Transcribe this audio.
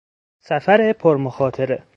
سفر پرمخاطره